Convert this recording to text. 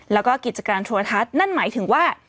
แล้วก็กิจการโทรทัศน์นั่นหมายถึงว่า